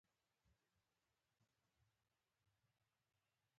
که احمد پر وخت پور ورنه کړ.